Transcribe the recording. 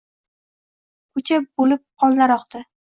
Ko’cha to’lib qonlar oqdi